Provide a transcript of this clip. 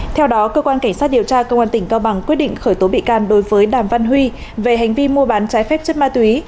theo đó cơ quan cảnh sát điều tra công an tỉnh cao bằng quyết định khởi tố bị can đối với đàm văn huy về hành vi mua bán trái phép chất ma túy